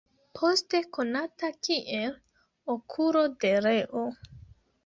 Poste konata kiel "Okulo de Reo".